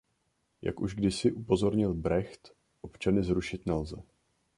Jak už kdysi upozornil Brecht, občany zrušit nelze.